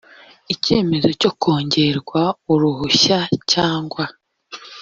icyemezo cyo kongererwa uruhushya cyangwa